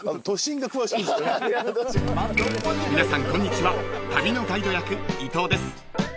［皆さんこんにちは旅のガイド役伊藤です］